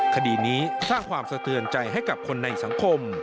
คดีนี้สร้างความสะเทือนใจให้กับคนในสังคม